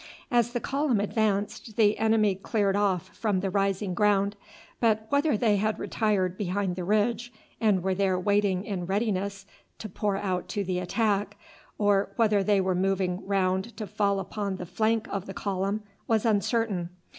As the column advanced the enemy cleared off from the rising ground, but whether they had retired behind the ridge, and were there waiting in readiness to pour out to the attack, or whether they were moving round to fall upon the flank of the column, was uncertain.